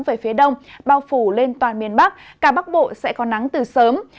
về phía đông bao phủ lên toàn miền bắc cả bắc bộ sẽ có nắng từ sớm